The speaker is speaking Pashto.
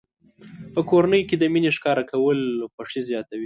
په کورنۍ کې د مینې ښکاره کول خوښي زیاتوي.